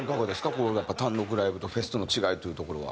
こういう単独ライブとフェスとの違いというところは。